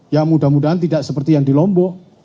ya mudah mudahan tidak seperti yang di lombok